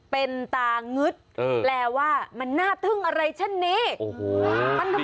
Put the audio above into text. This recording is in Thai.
เป็นตางึดแปลว่ามันหน้าถึงอะไรฉันนี้